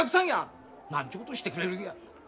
何ちゅうことをしてくれるんや。